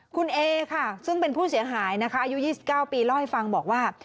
คุณเอซึ่งเป็นผู้เสียหายอายุ๒๙ปีร่อยฟังบอกว่า